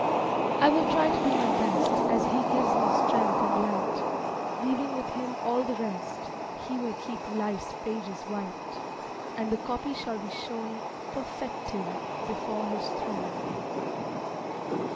I will try to do my best, As He gives me strength and light, Leaving with Him all the rest; He will keep life's pages white; And the copy shall be shown Perfected, before His throne.